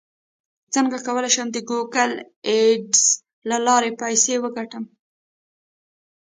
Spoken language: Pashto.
څنګه کولی شم د ګوګل اډز له لارې پیسې وګټم